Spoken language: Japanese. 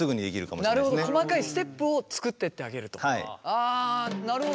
あなるほど。